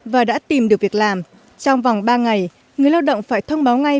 và đã tìm được việc làm trong vòng ba ngày người lao động phải thông báo ngay